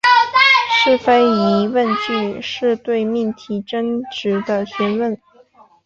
是非疑问句是对命题真值的询问。